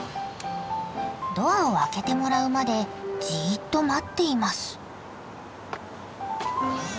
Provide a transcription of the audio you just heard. ドアを開けてもらうまでじっと待っています。